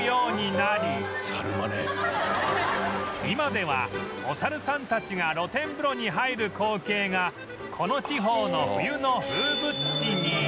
今ではお猿さんたちが露天風呂に入る光景がこの地方の冬の風物詩に